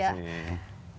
sama sama pak desi